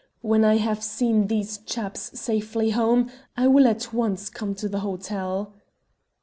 When I have seen these chaps safely home, I will at once come to the hotel."